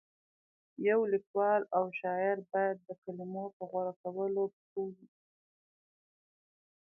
یو لیکوال او شاعر باید د کلمو په غوره کولو پوه وي.